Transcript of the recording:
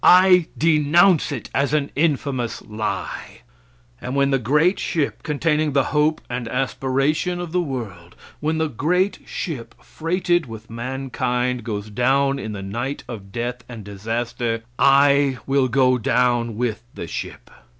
I denounce it as an infamous lie! And when the great ship containing the hope and aspiration of the world, when the great ship freighted with mankind goes down in the night of death and disaster, I will go down with the ship.